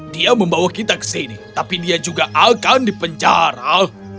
dia membawa kita ke sini tapi dia juga akan dipenjara